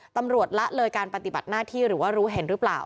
ละเลยการปฏิบัติหน้าที่หรือว่ารู้เห็นหรือเปล่า